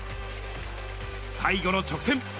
最後の直線。